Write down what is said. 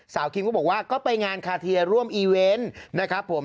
คิมก็บอกว่าก็ไปงานคาเทียร่วมอีเวนต์นะครับผม